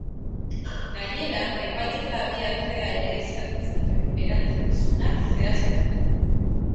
Gainera, epaiketa abiatzea ere eskatu zuten, erantzukizunak zehazteko.